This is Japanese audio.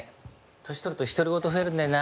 年取ると独り言増えるんだよな。